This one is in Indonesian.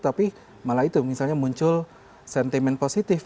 tapi malah itu misalnya muncul sentimen positif